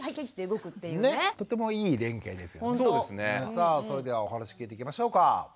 さあそれではお話聞いていきましょうか。